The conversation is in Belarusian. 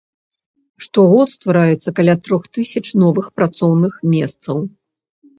Штогод ствараецца каля трох тысяч новых працоўных месцаў.